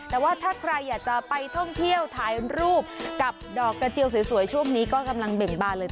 แต่ว่าถ้าใครอยากจะไปท่องเที่ยวถ่ายรูปกับดอกกระเจียวสวยช่วงนี้ก็กำลังเบ่งบานเลย